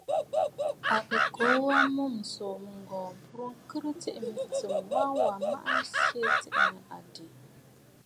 À kɨ kuu wa a mûm ǹsòò mɨ̂ŋgɔ̀ɔ̀ m̀burə ŋkhɨrə tsiʼì mɨ̀tsɨm, ŋwa wà maʼanə a nsyɛ tiʼì nɨ àdì.